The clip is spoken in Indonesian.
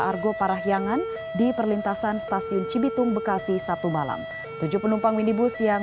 argo parahyangan di perlintasan stasiun cibitung bekasi sabtu malam tujuh penumpang minibus yang